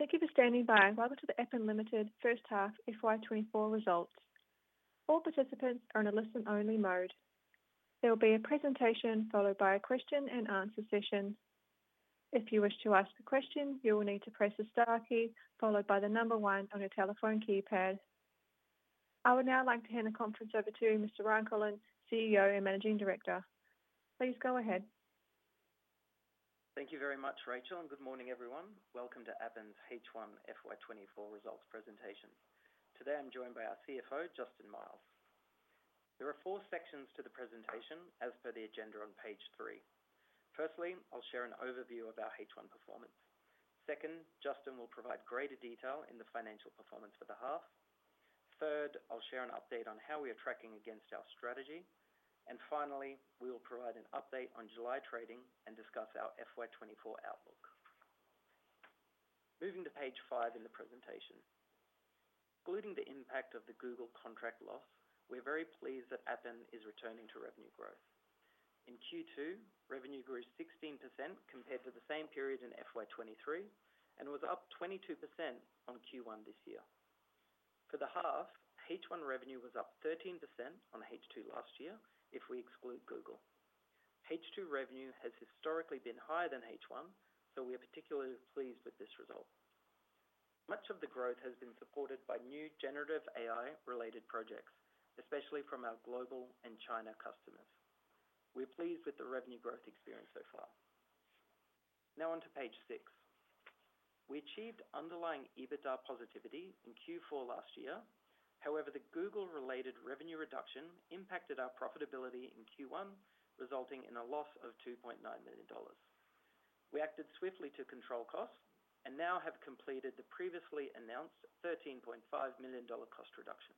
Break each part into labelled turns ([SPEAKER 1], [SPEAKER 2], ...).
[SPEAKER 1] Thank you for standing by. Welcome to the Appen Limited First Half FY 2024 results. All participants are in a listen-only mode. There will be a presentation followed by a Q&A session. If you wish to ask a question, you will need to press the star key followed by the number one on your telephone keypad. I would now like to hand the conference over to Mr. Ryan Kolln, CEO and Managing Director. Please go ahead.
[SPEAKER 2] @Thank you very much, Rachel, and good morning, everyone. Welcome to Appen's H1 FY 2024 results presentation. Today, I'm joined by our CFO, Justin Miles. There are four sections to the presentation as per the agenda on page three. Firstly, I'll share an overview of our H1 performance. Second, Justin will provide greater detail in the financial performance for the half. Third, I'll share an update on how we are tracking against our strategy, and finally, we will provide an update on July trading and discuss our FY 2024 outlook. Moving to page five in the presentation. Excluding the impact of the Google contract loss, we're very pleased that Appen is returning to revenue growth. In Q2, revenue grew 16% compared to the same period in FY 2023, and was up 22% on Q1 this year. For the half, H1 revenue was up 13% on H2 last year if we exclude Google. H2 revenue has historically been higher than H1, so we are particularly pleased with this result. Much of the growth has been supported by new generative AI-related projects, especially from our global and China customers. We're pleased with the revenue growth experience so far. Now on to page six. We achieved underlying EBITDA positivity in Q4 last year. However, the Google-related revenue reduction impacted our profitability in Q1, resulting in a loss of $2.9 million. We acted swiftly to control costs and now have completed the previously announced $13.5 million cost reduction.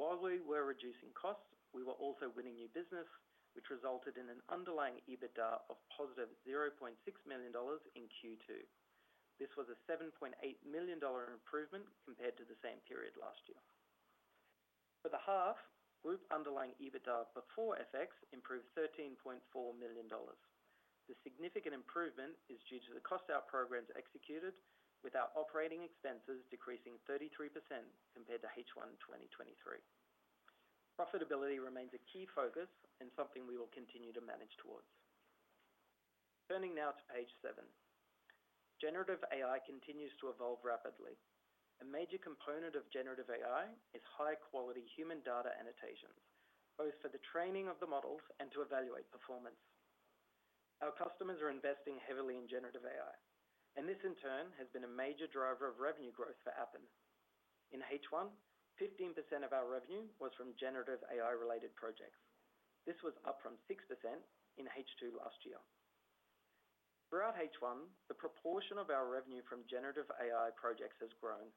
[SPEAKER 2] While we were reducing costs, we were also winning new business, which resulted in an underlying EBITDA of positive $0.6 million in Q2. This was a $7.8 million improvement compared to the same period last year. For the half, group underlying EBITDA before FX improved $13.4 million. The significant improvement is due to the cost out programs executed, with our operating expenses decreasing 33% compared to H1 2023. Profitability remains a key focus and something we will continue to manage towards. Turning now to page seven. Generative AI continues to evolve rapidly. A major component of generative AI is high-quality human data annotations, both for the training of the models and to evaluate performance. Our customers are investing heavily in generative AI, and this in turn has been a major driver of revenue growth for Appen. In H1, 15% of our revenue was from generative AI-related projects. This was up from 6% in H2 last year. Throughout H1, the proportion of our revenue from generative AI projects has grown.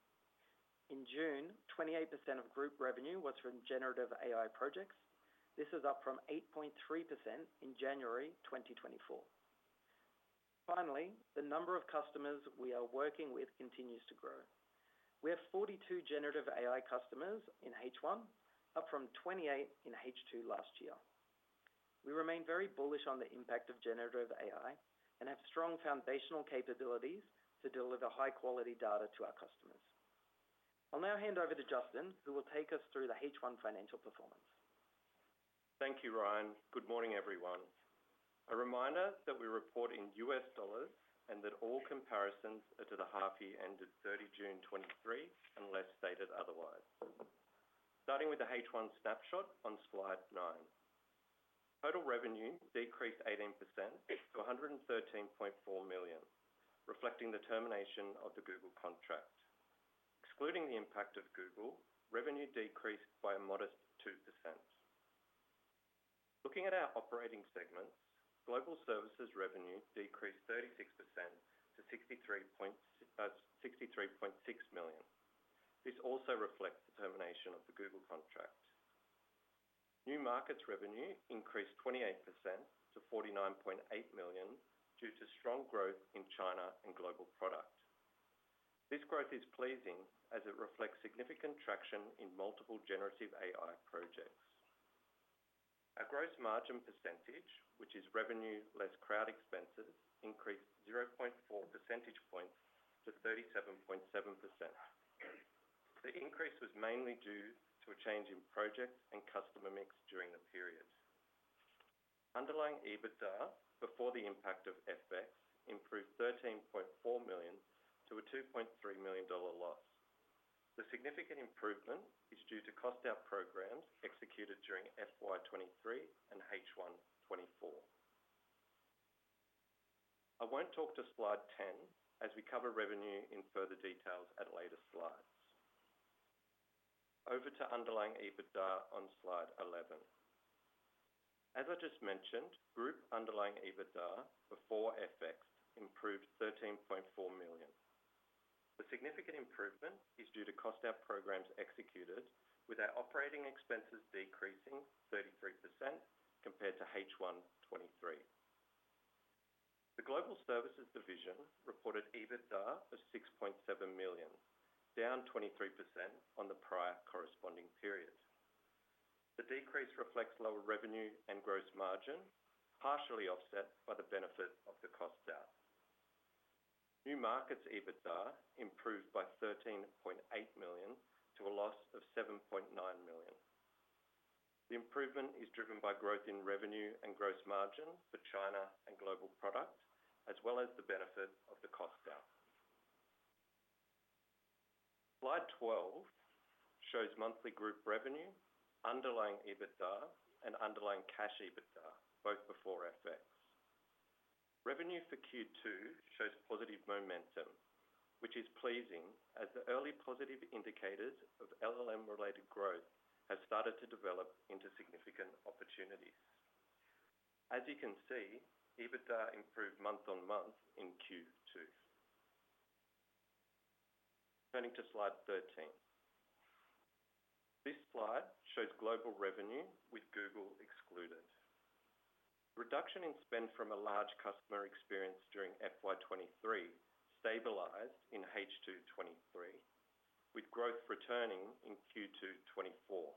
[SPEAKER 2] In June, 28% of group revenue was from generative AI projects. This is up from 8.3% in January 2024. Finally, the number of customers we are working with continues to grow. We have 42 generative AI customers in H1, up from 28 in H2 last year. We remain very bullish on the impact of generative AI and have strong foundational capabilities to deliver high-quality data to our customers. I'll now hand over to Justin, who will take us through the H1 financial performance.
[SPEAKER 3] @@Thank you, Ryan. Good morning, everyone. A reminder that we report in US dollars and that all comparisons are to the half year ended 30 June 2023, unless stated otherwise. Starting with the H1 snapshot on slide nine. Total revenue decreased 18% to $113.4 million, reflecting the termination of the Google contract. Excluding the impact of Google, revenue decreased by a modest 2%. Looking at our operating segments, global services revenue decreased 36% to $63.6 million. This also reflects the termination of the Google contract. New markets revenue increased 28% to $49.8 million due to strong growth in China and global product. This growth is pleasing as it reflects significant traction in multiple generative AI projects. Our gross margin percentage, which is revenue less crowd expenses, increased 0.4 percentage points to 37.7%. The increase was mainly due to a change in project and customer mix during the period. Underlying EBITDA, before the impact of FX, improved $13.4 million to a $2.3 million loss. The significant improvement is due to cost out programs executed during FY 2023 and H1 2024. I won't talk to slide 10, as we cover revenue in further details at later slides. Over to underlying EBITDA on slide 11. As I just mentioned, group underlying EBITDA before FX improved $13.4 million. The significant improvement is due to cost out programs executed, with our operating expenses decreasing 33% compared to H1 2023. The Global Services division reported EBITDA of $6.7 million, down 23% on the prior corresponding period. The decrease reflects lower revenue and gross margin, partially offset by the benefit of the cost out. New Markets EBITDA improved by 13.8 million to a loss of 7.9 million. The improvement is driven by growth in revenue and gross margin for China and global products, as well as the benefit of the cost out. Slide 12 shows monthly group revenue, underlying EBITDA, and underlying cash EBITDA, both before FX. Revenue for Q2 shows positive momentum, which is pleasing as the early positive indicators of LLM-related growth have started to develop into significant opportunities. As you can see, EBITDA improved month-on-month in Q2. Turning to Slide 13. This slide shows global revenue with Google excluded. Reduction in spend from a large customer experienced during FY 2023 stabilized in H2 2023, with growth returning in Q2 2024.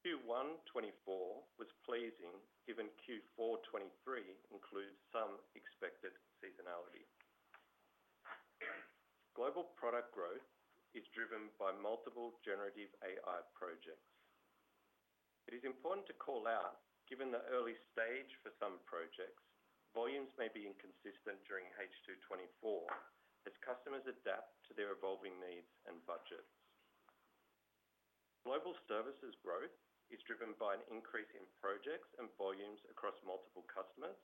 [SPEAKER 3] Q1 2024 was pleasing, given Q4 2023 includes some expected seasonality. Global product growth is driven by multiple generative AI projects. It is important to call out, given the early stage for some projects, volumes may be inconsistent during H2 2024 as customers adapt to their evolving needs and budgets. Global services growth is driven by an increase in projects and volumes across multiple customers,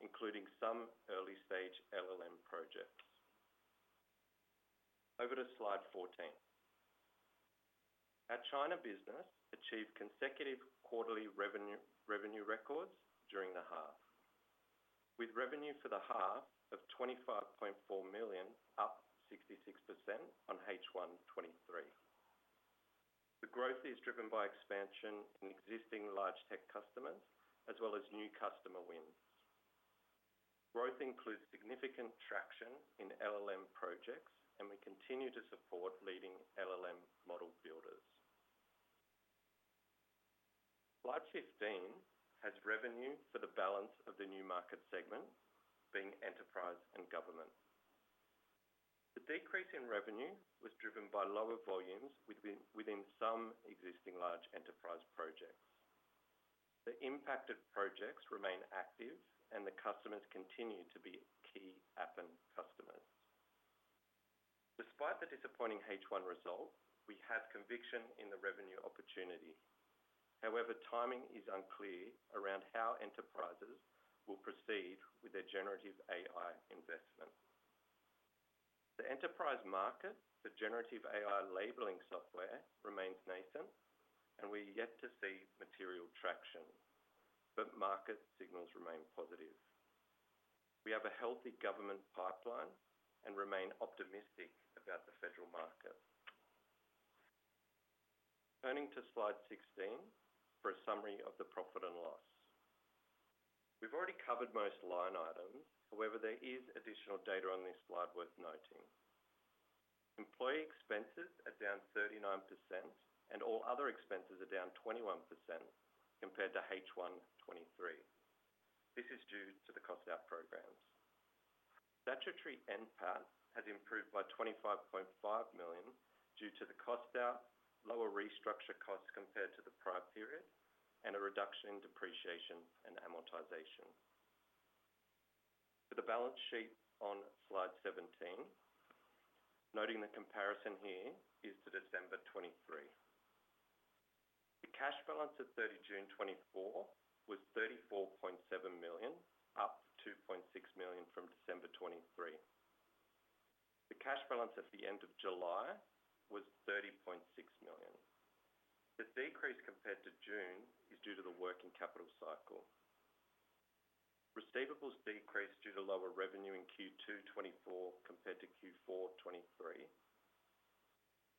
[SPEAKER 3] including some early-stage LLM projects. Over to slide 14. Our China business achieved consecutive quarterly revenue records during the half, with revenue for the half of $25.4 million, up 66% on H1 2023. The growth is driven by expansion in existing large tech customers, as well as new customer wins. Growth includes significant traction in LLM projects, and we continue to support leading LLM model builders. Slide 15 has revenue for the balance of the new market segment, being enterprise and government. The decrease in revenue was driven by lower volumes within some existing large enterprise projects. The impacted projects remain active, and the customers continue to be key Appen customers. Despite the disappointing H1 results, we have conviction in the revenue opportunity. However, timing is unclear around how enterprises will proceed with their generative AI investment. The enterprise market for generative AI labeling software remains nascent, and we are yet to see material traction, but market signals remain positive. We have a healthy government pipeline and remain optimistic about the federal market. Turning to Slide 16, for a summary of the profit and loss. We've already covered most line items. However, there is additional data on this slide worth noting. Employee expenses are down 39%, and all other expenses are down 21% compared to H1 2023. This is due to the cost out programs. Statutory NPAT has improved by 25.5 million due to the cost out, lower restructure costs compared to the prior period, and a reduction in depreciation and amortization. For the balance sheet on slide 17, noting the comparison here is to December 2023. The cash balance at 30 June 2024 was 34.7 million, up 2.6 million from December 2023. The cash balance at the end of July was 30.6 million. The decrease compared to June is due to the working capital cycle. Receivables decreased due to lower revenue in Q2 2024 compared to Q4 2023.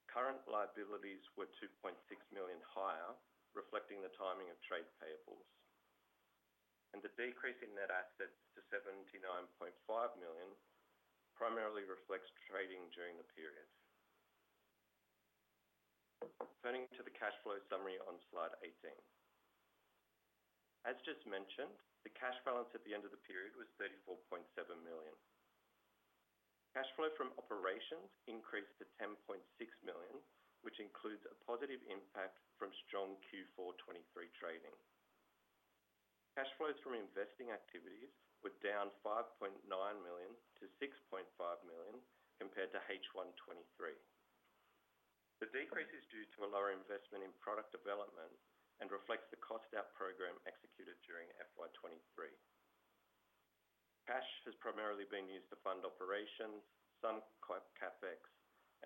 [SPEAKER 3] Current liabilities were 2.6 million higher, reflecting the timing of trade payables. The decrease in net assets to 79.5 million primarily reflects trading during the period. Turning to the cash flow summary on slide 18. As just mentioned, the cash balance at the end of the period was 34.7 million. Cash flow from operations increased to 10.6 million, which includes a positive impact from strong Q4 2023 trading. Cash flows from investing activities were down 5.9 million to 6.5 million compared to H1 2023. The decrease is due to a lower investment in product development and reflects the cost out program executed during FY 2023. Cash has primarily been used to fund operations, some CapEx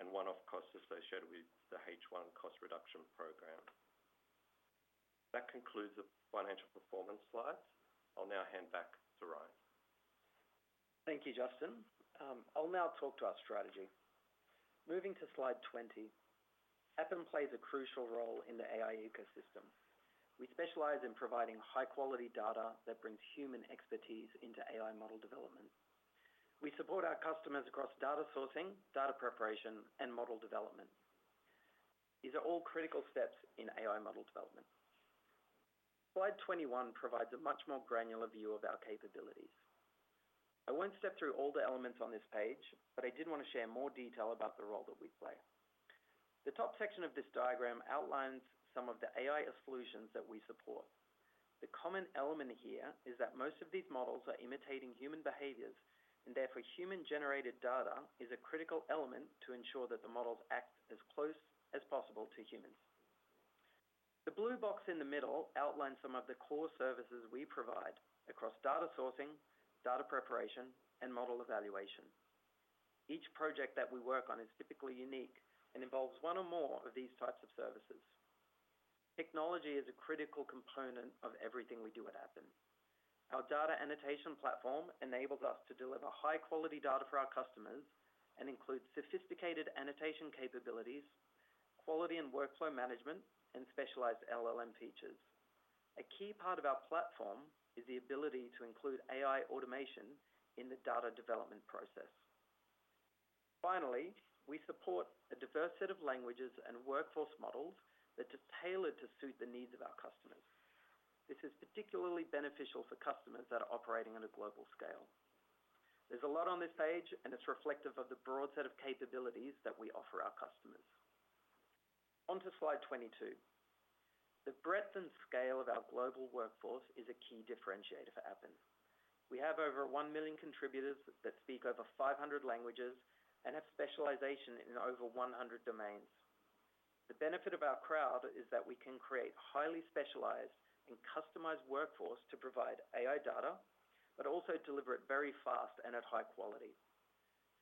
[SPEAKER 3] and one-off costs associated with the H1 cost reduction program. That concludes the financial performance slides. I'll now hand back to Ryan.
[SPEAKER 2] Thank you, Justin. I'll now talk to our strategy. Moving to slide 20. Appen plays a crucial role in the AI ecosystem. We specialize in providing high-quality data that brings human expertise into AI model development. We support our customers across data sourcing, data preparation, and model development. These are all critical steps in AI model development. Slide 21 provides a much more granular view of our capabilities. I won't step through all the elements on this page, but I did want to share more detail about the role that we play. The top section of this diagram outlines some of the AI solutions that we support. The common element here is that most of these models are imitating human behaviors, and therefore, human-generated data is a critical element to ensure that the models act as close as possible to humans. The blue box in the middle outlines some of the core services we provide across data sourcing, data preparation, and model evaluation. Each project that we work on is typically unique and involves one or more of these types of services. Technology is a critical component of everything we do at Appen. Our data annotation platform enables us to deliver high-quality data for our customers and includes sophisticated annotation capabilities, quality and workflow management, and specialized LLM features. A key part of our platform is the ability to include AI automation in the data development process. Finally, we support a diverse set of languages and workforce models that are tailored to suit the needs of our customers. This is particularly beneficial for customers that are operating on a global scale. There's a lot on this page, and it's reflective of the broad set of capabilities that we offer our customers. On to slide 22. The breadth and scale of our global workforce is a key differentiator for Appen. We have over one million contributors that speak over 500 languages and have specialization in over 100 domains. The benefit of our crowd is that we can create highly specialized and customized workforce to provide AI data, but also deliver it very fast and at high quality.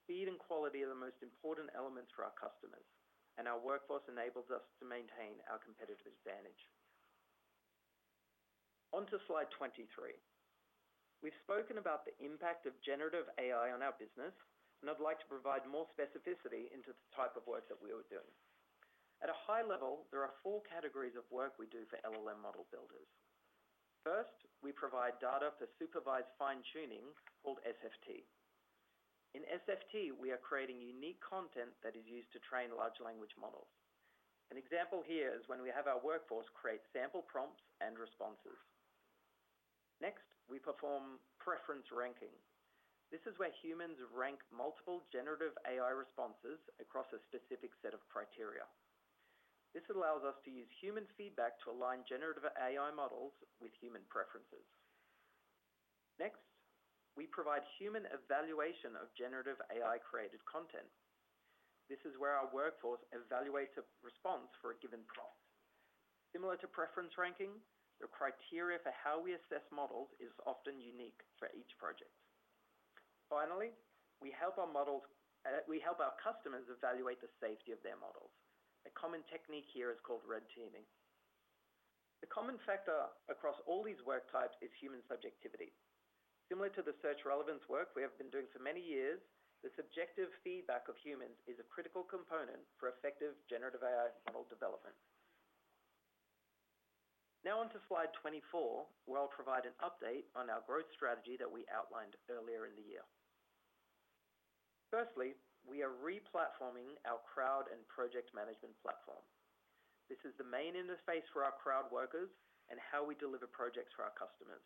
[SPEAKER 2] Speed and quality are the most important elements for our customers, and our workforce enables us to maintain our competitive advantage. On to slide 23. We've spoken about the impact of generative AI on our business, and I'd like to provide more specificity into the type of work that we are doing. At a high level, there are four categories of work we do for LLM model builders. First, we provide data for supervised fine-tuning, called SFT. In SFT, we are creating unique content that is used to train large language models. An example here is when we have our workforce create sample prompts and responses. Next, we perform preference ranking. This is where humans rank multiple generative AI responses across a specific set of criteria. This allows us to use human feedback to align generative AI models with human preferences. Next, we provide human evaluation of generative AI-created content. This is where our workforce evaluates a response for a given prompt. Similar to preference ranking, the criteria for how we assess models is often unique for each project. Finally, we help our models. We help our customers evaluate the safety of their models. A common technique here is called red teaming. The common factor across all these work types is human subjectivity. Similar to the search relevance work we have been doing for many years, the subjective feedback of humans is a critical component for effective generative AI model development. Now on to slide 24, where I'll provide an update on our growth strategy that we outlined earlier in the year. Firstly, we are re-platforming our crowd and project management platform. This is the main interface for our crowd workers and how we deliver projects for our customers.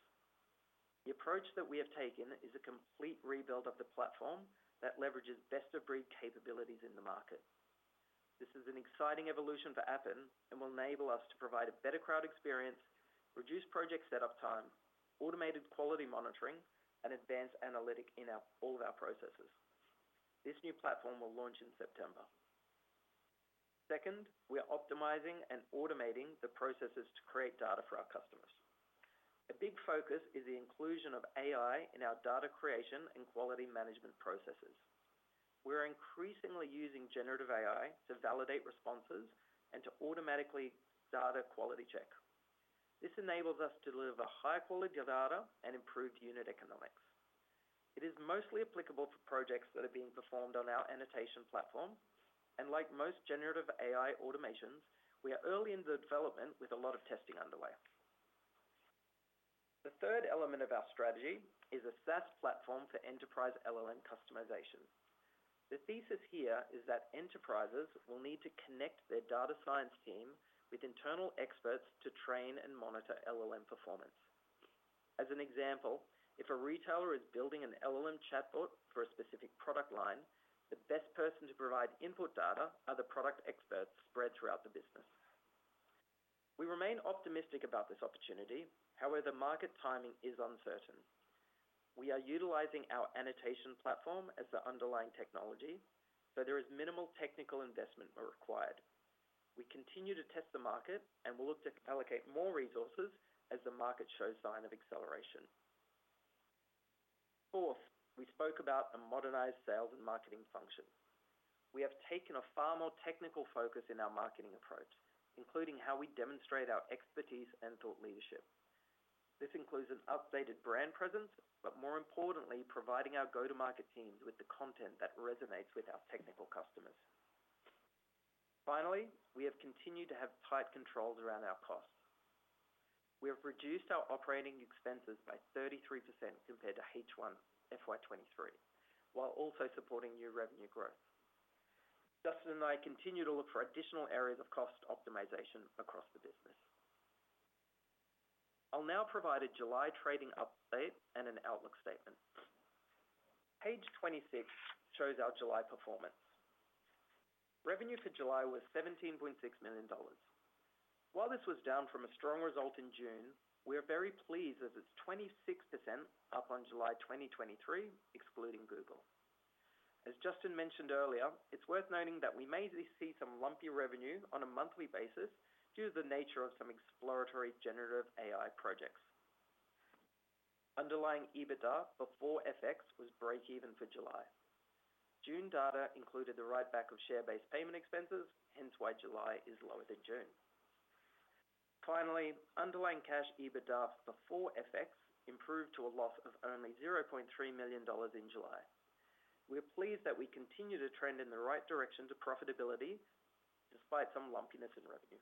[SPEAKER 2] The approach that we have taken is a complete rebuild of the platform that leverages best-of-breed capabilities in the market. This is an exciting evolution for Appen and will enable us to provide a better crowd experience, reduce project setup time, automated quality monitoring, and advanced analytics in all of our processes. This new platform will launch in September. Second, we are optimizing and automating the processes to create data for our customers. A big focus is the inclusion of AI in our data creation and quality management processes. We're increasingly using generative AI to validate responses and to automatically data quality check. This enables us to deliver high-quality data and improved unit economics. It is mostly applicable for projects that are being performed on our annotation platform, and like most generative AI automations, we are early in the development with a lot of testing underway. The third element of our strategy is a SaaS platform for enterprise LLM customization. The thesis here is that enterprises will need to connect their data science team with internal experts to train and monitor LLM performance. As an example, if a retailer is building an LLM chatbot for a specific product line, the best person to provide input data are the product experts spread throughout the business. We remain optimistic about this opportunity. However, the market timing is uncertain. We are utilizing our annotation platform as the underlying technology, so there is minimal technical investment is required. We continue to test the market and will look to allocate more resources as the market shows sign of acceleration. Fourth, we spoke about a modernized sales and marketing function. We have taken a far more technical focus in our marketing approach, including how we demonstrate our expertise and thought leadership. This includes an updated brand presence, but more importantly, providing our go-to-market teams with the content that resonates with our technical customers. Finally, we have continued to have tight controls around our costs. We have reduced our operating expenses by 33% compared to H1 FY 2023, while also supporting new revenue growth. Justin and I continue to look for additional areas of cost optimization across the business. I'll now provide a July trading update and an outlook statement. Page 26 shows our July performance. Revenue for July was $17.6 million. While this was down from a strong result in June, we are very pleased as it's 26% up on July 2023, excluding Google. As Justin mentioned earlier, it's worth noting that we may see some lumpy revenue on a monthly basis due to the nature of some exploratory generative AI projects. Underlying EBITDA before FX was breakeven for July. June data included the write back of share-based payment expenses, hence why July is lower than June. Finally, underlying cash EBITDA before FX improved to a loss of only $0.3 million in July. We are pleased that we continue to trend in the right direction to profitability, despite some lumpiness in revenue.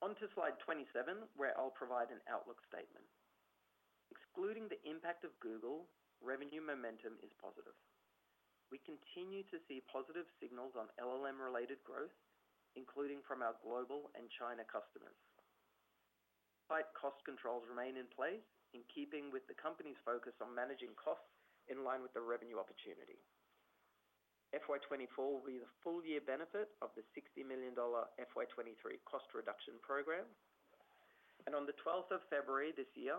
[SPEAKER 2] On to slide 27, where I'll provide an outlook statement. Excluding the impact of Google, revenue momentum is positive. We continue to see positive signals on LLM-related growth, including from our global and China customers. Tight cost controls remain in place in keeping with the company's focus on managing costs in line with the revenue opportunity. FY 2024 will be the full year benefit of the 60 million dollar FY 2023 cost reduction program, and on the February 12th this year,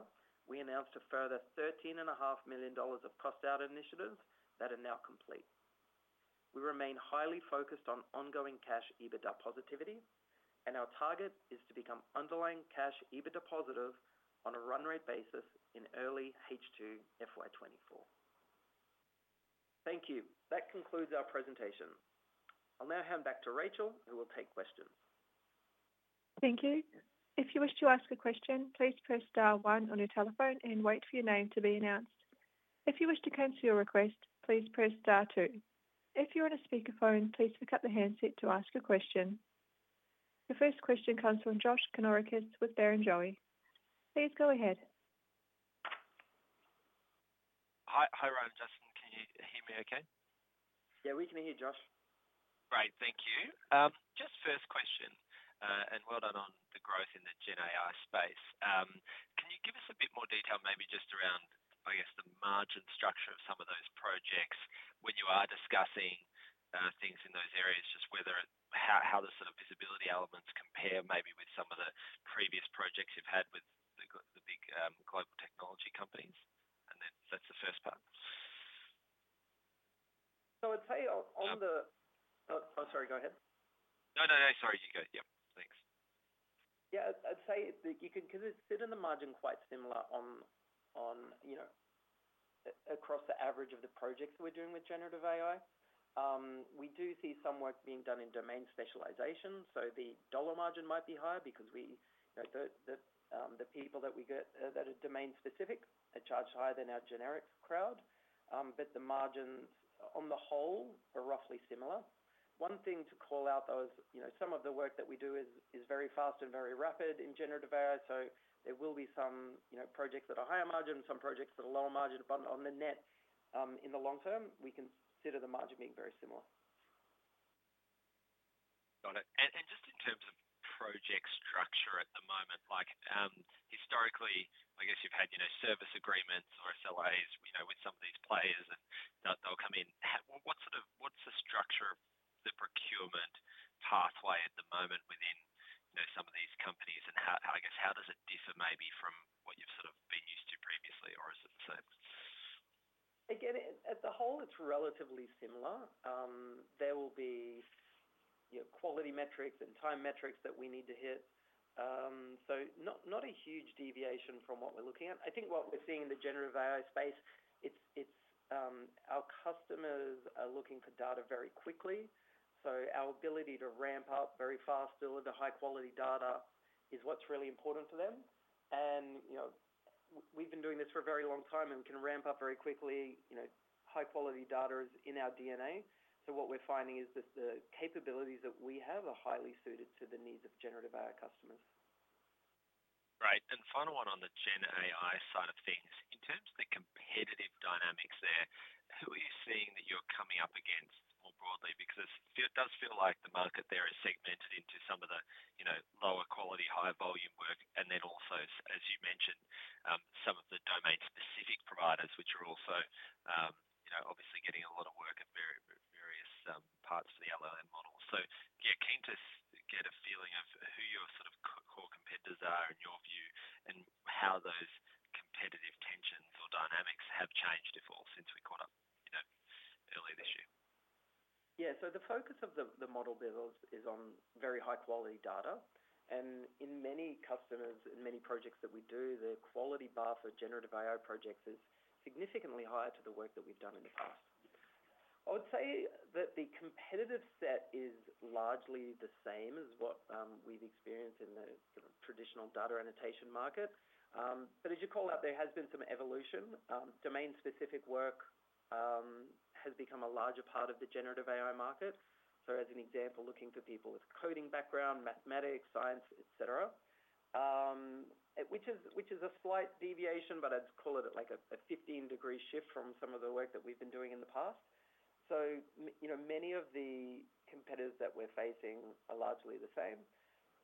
[SPEAKER 2] we announced a further 13.5 million dollars of cost out initiatives that are now complete. We remain highly focused on ongoing cash EBITDA positivity, and our target is to become underlying cash EBITDA positive on a run rate basis in early H2 FY 2024. Thank you. That concludes our presentation. I'll now hand back to Rachel, who will take questions.
[SPEAKER 1] Thank you. If you wish to ask a question, please press star one on your telephone and wait for your name to be announced. If you wish to cancel your request, please press star two. If you're on a speakerphone, please pick up the handset to ask a question. The first question comes from Josh Kannourakis with Barrenjoey. Please go ahead.
[SPEAKER 4] Hi. Ryan and Justin, can you hear me okay?
[SPEAKER 2] Yeah, we can hear you, Josh.
[SPEAKER 4] Great, thank you. Just first question, and well done on the growth in the Gen AI space. Can you give us a bit more detail, maybe just around, I guess, the margin structure of some of those projects, when you are discussing things in those areas, just whether it, how the sort of visibility elements compare maybe with some of the previous projects you've had with the big global technology companies? And then, that's the first part.
[SPEAKER 2] So I'd say on the-
[SPEAKER 4] Yeah.
[SPEAKER 2] Oh, sorry. Go ahead.
[SPEAKER 4] No, sorry. You go. Yep, thanks.
[SPEAKER 2] Yeah, I'd say that you can consider the margin quite similar, you know, across the average of the projects we're doing with generative AI. We do see some work being done in domain specialization, so the dollar margin might be higher because we, you know, the people that we get that are domain specific are charged higher than our generic crowd, but the margins on the whole are roughly similar. One thing to call out, though, is you know some of the work that we do is very fast and very rapid in generative AI, so there will be some, you know, projects that are higher margin and some projects that are lower margin, but on the net, in the long term, we consider the margin being very similar.
[SPEAKER 4] Got it. And just in terms of project structure at the moment, like, historically, I guess you've had, you know, service agreements or SLAs, you know, with some of these players, and they'll come in. What's sort of the structure of the procurement pathway at the moment within, you know, some of these companies? And how, I guess, how does it differ maybe from what you've sort of been used to previously, or is it the same?
[SPEAKER 2] Again, at the whole, it's relatively similar. There will be, you know, quality metrics and time metrics that we need to hit. So not a huge deviation from what we're looking at. I think what we're seeing in the Generative AI space, our customers are looking for data very quickly, so our ability to ramp up very fast, deliver the high quality data is what's really important to them, and you know, we've been doing this for a very long time and we can ramp up very quickly. You know, high quality data is in our DNA. So what we're finding is that the capabilities that we have are highly suited to the needs of Generative AI customers.
[SPEAKER 4] Great, and final one on the Gen AI side of things. In terms of the competitive dynamics there, who are you seeing that you're coming up against more broadly? Because it does feel like the market there is segmented into some of the, you know, lower quality, high volume work, and then also, as you mentioned, some of the domain-specific providers, which are also, you know, obviously getting a lot of work at various parts of the LLM model. So yeah, keen to get a feeling of who your sort of core competitors are, in your view, and how those competitive tensions or dynamics have changed at all since we caught up, you know, earlier this year.
[SPEAKER 2] Yeah. So the focus of the model build is on very high-quality data, and in many customers, in many projects that we do, the quality bar for Generative AI projects is significantly higher to the work that we've done in the past. I would say that the competitive set is largely the same as what we've experienced in the sort of traditional data annotation market. But as you call out, there has been some evolution. Domain-specific work has become a larger part of the Generative AI market. So as an example, looking for people with coding background, mathematics, science, et cetera. Which is a slight deviation, but I'd call it like a 15-degree shift from some of the work that we've been doing in the past. So you know, many of the competitors that we're facing are largely the same.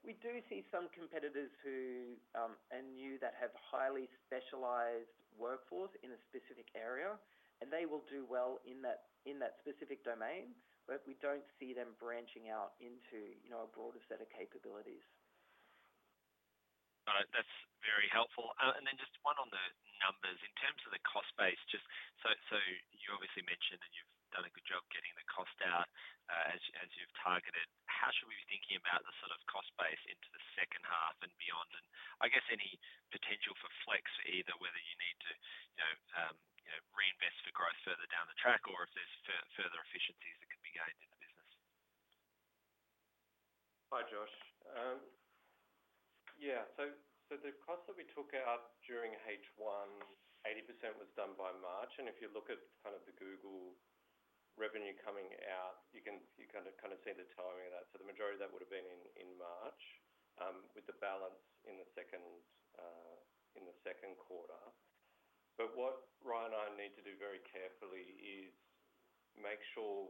[SPEAKER 2] We do see some competitors who are new, that have highly specialized workforce in a specific area, and they will do well in that specific domain, but we don't see them branching out into, you know, a broader set of capabilities.
[SPEAKER 4] All right. That's very helpful. And then just one on the numbers. In terms of the cost base, just so, so you obviously mentioned, and you've done a good job getting the cost out, as, as you've targeted. How should we be thinking about the sort of cost base into the second half and beyond? And I guess any potential for flex, either whether you need to, you know, you know, reinvest for growth further down the track, or if there's further efficiencies that can be gained in the business?
[SPEAKER 3] Hi, Josh. Yeah, so the costs that we took out during H1, 80% was done by March, and if you look at kind of the Google revenue coming out, you can, you kind of see the timing of that. So the majority of that would've been in March, with the balance in the Q2. But what Ryan and I need to do very carefully is make sure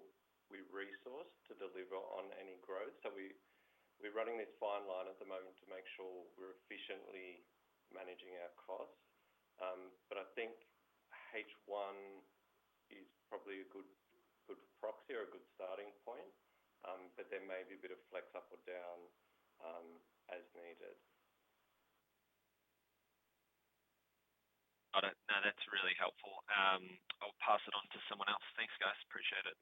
[SPEAKER 3] we resource to deliver on any growth. So we, we're running this fine line at the moment to make sure we're efficiently managing our costs. But I think H one is probably a good proxy or a good starting point. But there may be a bit of flex up or down, as needed.
[SPEAKER 4] Got it. No, that's really helpful. I'll pass it on to someone else. Thanks, guys. Appreciate it.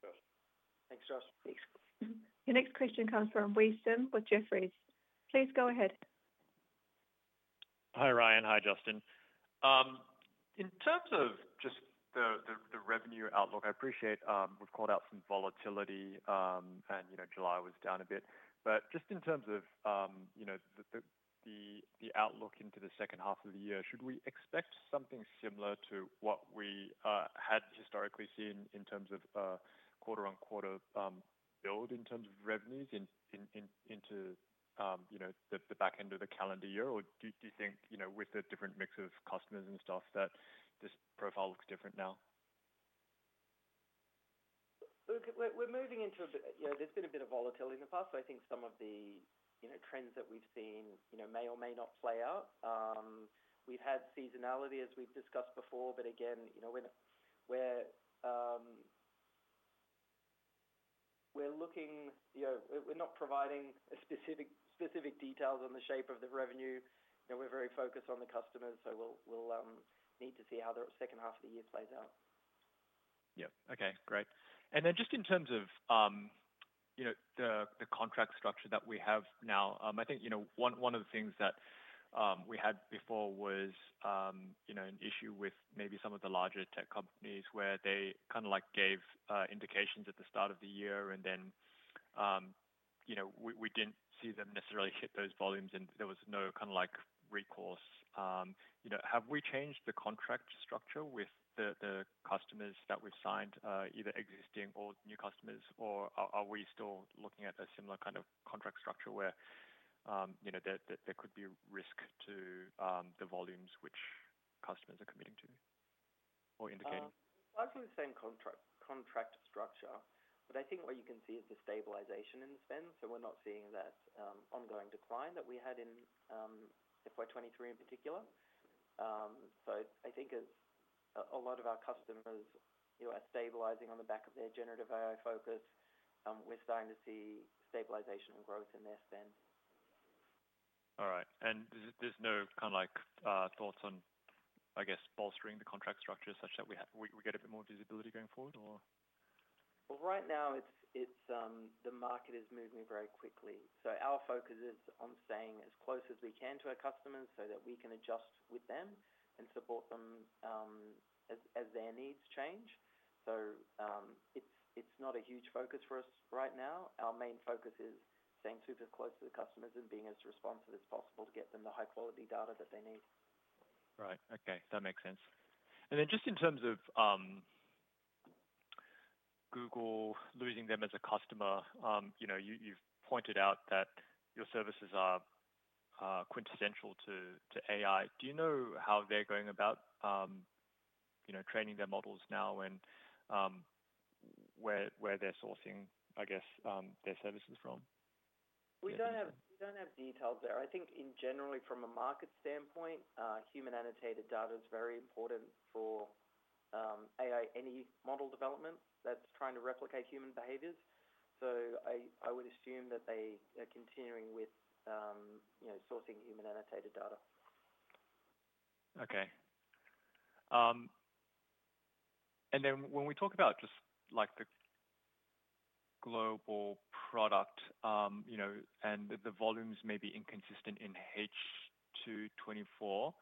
[SPEAKER 3] Thanks.
[SPEAKER 2] Thanks, Josh.
[SPEAKER 1] Your next question comes from Wei Sim with Jefferies. Please go ahead.
[SPEAKER 5] Hi, Ryan. Hi, Justin. In terms of just the revenue outlook, I appreciate, we've called out some volatility, and, you know, July was down a bit. But just in terms of, you know, the outlook into the second half of the year, should we expect something similar to what we had historically seen in terms of, quarter-on-quarter, build in terms of revenues into, you know, the back end of the calendar year? Or do you think, you know, with the different mix of customers and stuff, that this profile looks different now?
[SPEAKER 2] Look, we're moving into a bit. You know, there's been a bit of volatility in the past, so I think some of the, you know, trends that we've seen, you know, may or may not play out. We've had seasonality, as we've discussed before, but again, you know, we're looking, you know. We're not providing specific details on the shape of the revenue. You know, we're very focused on the customers, so we'll need to see how the second half of the year plays out.
[SPEAKER 5] Yeah. Okay, great. And then just in terms of, you know, the contract structure that we have now, I think, you know, one of the things that we had before was, you know, an issue with maybe some of the larger tech companies, where they kinda like gave indications at the start of the year and then, you know, we didn't see them necessarily hit those volumes, and there was no kind of like recourse. You know, have we changed the contract structure with the customers that we've signed, either existing or new customers, or are we still looking at a similar kind of contract structure where, you know, there could be risk to the volumes which customers are committing to or indicating?
[SPEAKER 2] Largely the same contract, contract structure, but I think what you can see is the stabilization in the spend, so we're not seeing that ongoing decline that we had in FY 2023 in particular, so I think as a lot of our customers, you know, are stabilizing on the back of their generative AI focus, we're starting to see stabilization and growth in their spend.
[SPEAKER 5] All right. And there's no kind of like thoughts on, I guess, bolstering the contract structure such that we get a bit more visibility going forward or?
[SPEAKER 2] Right now, the market is moving very quickly, so our focus is on staying as close as we can to our customers so that we can adjust with them and support them, as their needs change. So, it's not a huge focus for us right now. Our main focus is staying super close to the customers and being as responsive as possible to get them the high-quality data that they need.
[SPEAKER 5] Right. Okay, that makes sense. And then just in terms of Google losing them as a customer, you know, you, you've pointed out that your services are quintessential to, to AI. Do you know how they're going about, you know, training their models now, and where, where they're sourcing, I guess, their services from?
[SPEAKER 2] We don't have details there. I think in general from a market standpoint, human annotated data is very important for AI, any model development that's trying to replicate human behaviors. So I would assume that they are continuing with, you know, sourcing human annotated data.
[SPEAKER 5] Okay, and then when we talk about just, like, the global product, you know, and the volumes may be inconsistent in H2 2024.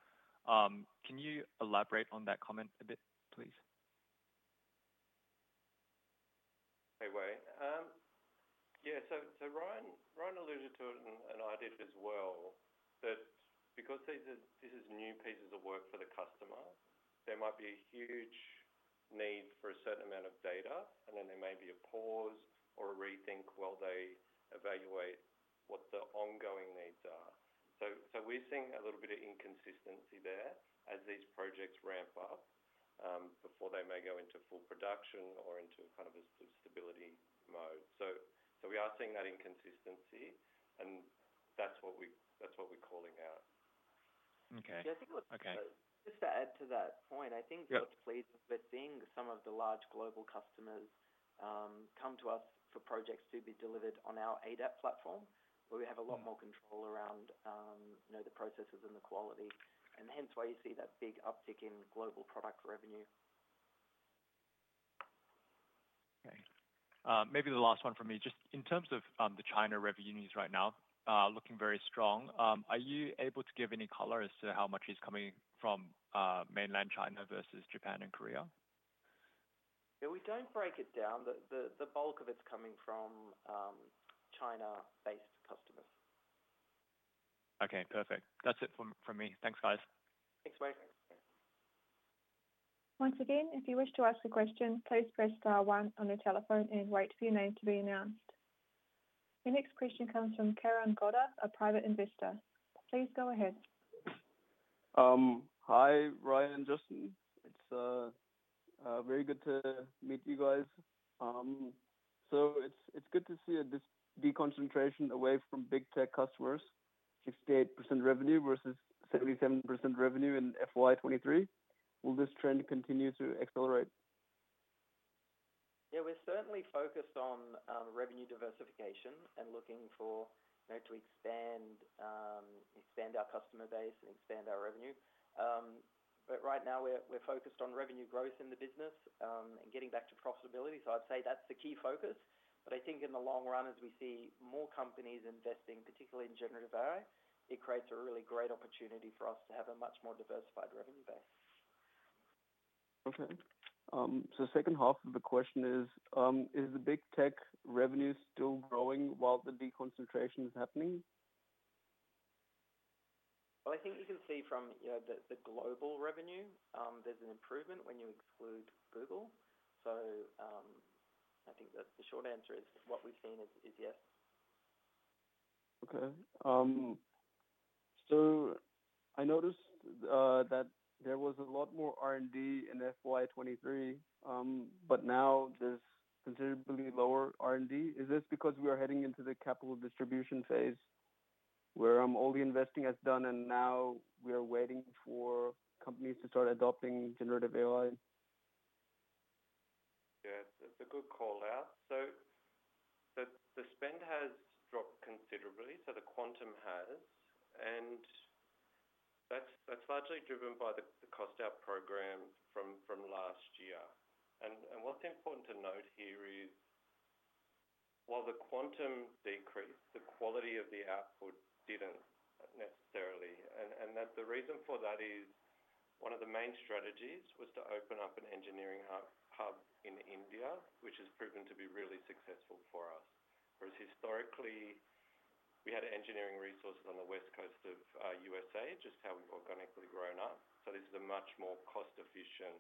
[SPEAKER 5] Can you elaborate on that comment a bit, please?
[SPEAKER 3] Hey, Wei. Yeah, so Ryan alluded to it and I did as well, that because this is new pieces of work for the customer, there might be a huge need for a certain amount of data, and then there may be a pause or a rethink while they evaluate what the ongoing needs are. So, we're seeing a little bit of inconsistency there as these projects ramp up, before they may go into full production or into kind of a stability mode. So, we are seeing that inconsistency, and that's what we're calling out.
[SPEAKER 5] Okay.
[SPEAKER 2] Yeah, I think-
[SPEAKER 5] Okay.
[SPEAKER 2] Just to add to that point, I think, we're pleased with seeing some of the large global customers, come to us for projects to be delivered on our ADAP platform, where we have a lot more control around, you know, the processes and the quality, and hence why you see that big uptick in global product revenue.
[SPEAKER 5] Okay. Maybe the last one from me, just in terms of, the China revenues right now, looking very strong. Are you able to give any color as to how much is coming from, mainland China versus Japan and Korea?
[SPEAKER 2] Yeah, we don't break it down, but the bulk of it's coming from China-based customers.
[SPEAKER 5] Okay, perfect. That's it from me. Thanks, guys.
[SPEAKER 2] Thanks, Wei.
[SPEAKER 1] Once again, if you wish to ask a question, please press star one on your telephone and wait for your name to be announced. Your next question comes from Karan Godha, a private investor. Please go ahead. Hi, Ryan and Justin. It's very good to meet you guys. So it's good to see this deconcentration away from big tech customers, 68% revenue versus 77% revenue in FY 2023. Will this trend continue to accelerate?
[SPEAKER 2] Yeah, we're certainly focused on revenue diversification and looking for, you know, to expand our customer base and expand our revenue. But right now, we're focused on revenue growth in the business and getting back to profitability. So I'd say that's the key focus. But I think in the long run, as we see more companies investing, particularly in generative AI, it creates a really great opportunity for us to have a much more diversified revenue base. Okay. So second half of the question is, is the big tech revenue still growing while the deconcentration is happening? I think you can see from, you know, the global revenue, there's an improvement when you exclude Google. I think that the short answer is, what we've seen is yes. Okay, so I noticed that there was a lot more R&D in FY 2023, but now there's considerably lower R&D. Is this because we are heading into the capital distribution phase, where all the investing is done, and now we are waiting for companies to start adopting generative AI?
[SPEAKER 3] Yeah, it's a good call-out. So the spend has dropped considerably, so the quantum has, and that's largely driven by the cost out program from last year. And what's important to note here is, while the quantum decreased, the quality of the output didn't necessarily. And that the reason for that is, one of the main strategies was to open up an engineering hub in India, which has proven to be really successful for us. Whereas historically, we had engineering resources on the West Coast of USA, just how we've organically grown up. So this is a much more cost-efficient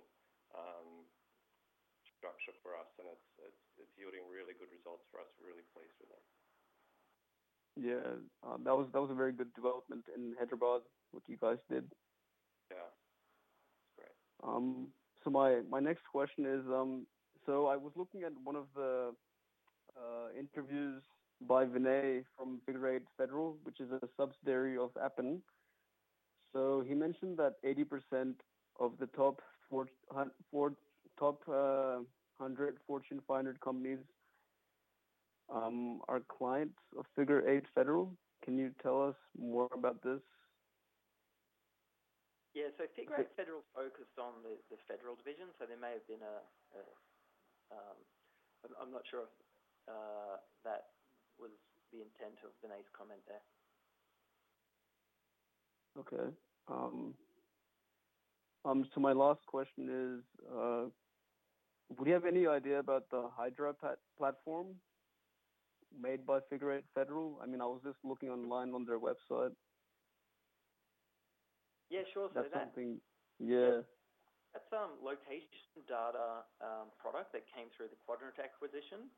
[SPEAKER 3] structure for us, and it's yielding really good results for us. We're really pleased with that. Yeah. That was a very good development in Hyderabad, what you guys did. Yeah. Great. So my next question is. So I was looking at one of the interviews by Vinay from Figure Eight Federal, which is a subsidiary of Appen. So he mentioned that 80% of the top 400 Fortune 500 companies are clients of Figure Eight Federal. Can you tell us more about this?
[SPEAKER 2] Yeah. So Figure Eight Federal focused on the federal division, so there may have been a... I'm not sure if that was the intent of Vinay's comment there. Okay, so my last question is, do you have any idea about the Hydra platform made by Figure Eight Federal? I mean, I was just looking online on their website. Yeah, sure. That's something- Yeah. That's location data product that came through the Quadrant acquisition.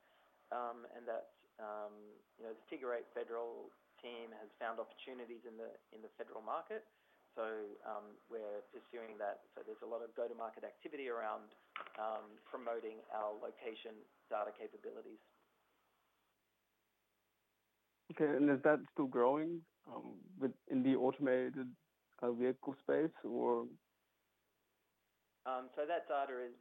[SPEAKER 2] And that's, you know, the Figure Eight Federal team has found opportunities in the, in the federal market. So, we're pursuing that. So there's a lot of go-to-market activity around promoting our location data capabilities. Okay, and is that still growing within the automated vehicle space or? So that data is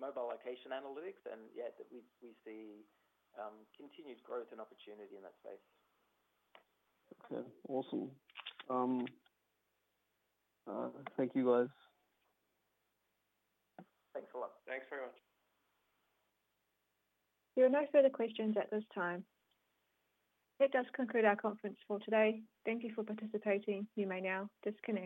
[SPEAKER 2] mobile location analytics, and yeah, we see continued growth and opportunity in that space. Okay, awesome. Thank you, guys. Thanks a lot.
[SPEAKER 3] Thanks very much.
[SPEAKER 1] There are no further questions at this time. That does conclude our conference call today. Thank you for participating. You may now disconnect.